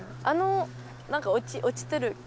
あのなんか落ちてる。